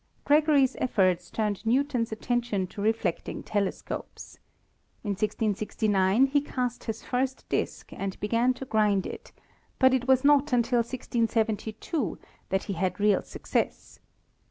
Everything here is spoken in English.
Gregory's efforts turned Newton's attention to reflecting telescopes. In 1669 he cast his first disk and began to grind it, but it was not until 1672 that he had real success.